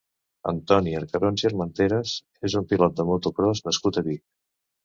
Antoni Arcarons i Armenteras és un pilot de motocròs nascut a Vic.